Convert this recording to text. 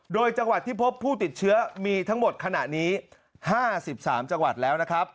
โดยจังหวัดที่พบผู้ติดเชื้อมีทั้งหมดขณะนี้๕๓จังหวัดแล้วนะครับ